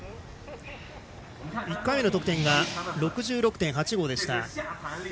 １回目の得点が６６．８５でした。